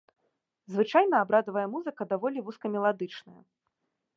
Звычайна абрадавая музыка даволі вузкамеладычная.